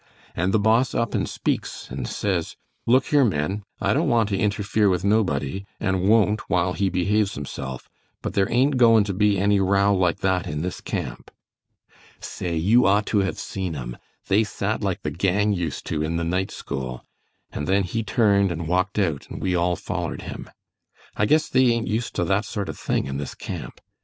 And the Boss up and speaks and says, 'Look here, men, I don't want to interfere with nobody, and won't while he behaves himself, but there ain't goin' to be any row like that in this camp. Say, you ought to have seen 'em! They sat like the gang used to in the night school, and then he turned and walked out and we all follered him. I guess they ain't used to that sort of thing in this camp.